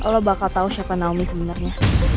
lo bakal tau siapa naomi sebenernya